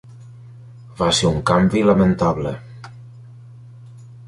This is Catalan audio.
Va ser un canvi lamentable.